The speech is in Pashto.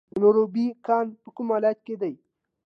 د نورابې کان په کوم ولایت کې دی؟